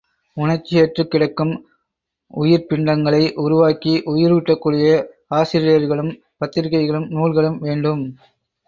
உணர்ச்சியற்றுக் கிடக்கும் உயிர்ப்பிண்டங்களை உருவாக்கி உயிரூட்டக்கூடிய ஆசிரியர்களும் பத்திரிகைகளும் நூல்களும் வேண்டும்.